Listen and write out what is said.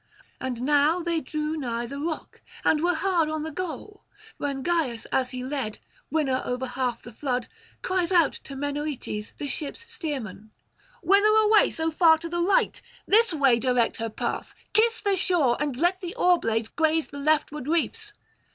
And now they drew nigh the rock, and were hard [160 193]on the goal; when Gyas as he led, winner over half the flood, cries aloud to Menoetes, the ship's steersman: 'Whither away so far to the right? This way direct her path; kiss the shore, and let the oarblade graze the leftward reefs.